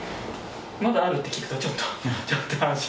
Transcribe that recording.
まだあるって聞くと、ちょっと安心。